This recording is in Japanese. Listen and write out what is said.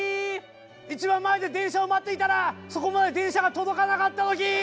一番前で電車を待っていたらそこまで電車が届かなかった時。